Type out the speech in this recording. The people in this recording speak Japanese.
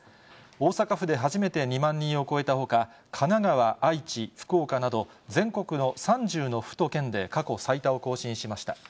大阪府で初めて２万人を超えたほか、神奈川、愛知、福岡など、全国の３０の府と県で過去最多を更新しました。